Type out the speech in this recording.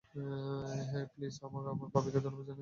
হেই, please আমার হয়ে পাপিকে ধন্যবাদ জানিয়ে দিও, কেমন?